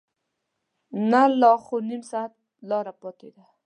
نه لا خو نیم ساعت لاره پاتې ده.